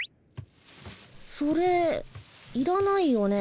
それいらないよね？